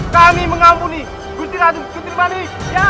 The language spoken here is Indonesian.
kami mengambuni gusti raden ketirbali